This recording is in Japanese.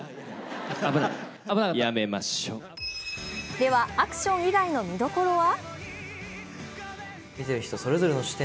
では、アクション以外の見どころは？